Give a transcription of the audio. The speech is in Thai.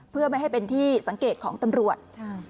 เพื่อไม่ให้เป็นที่สังเกตของตำรวจ